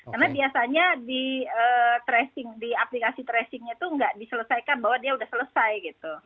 karena biasanya di aplikasi tracingnya itu nggak diselesaikan bahwa dia udah selesai gitu